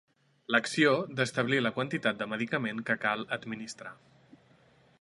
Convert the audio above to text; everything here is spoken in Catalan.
L'acció d'establir la quantitat de medicament que cal administrar.